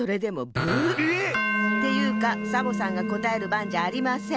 えっ⁉っていうかサボさんがこたえるばんじゃありません。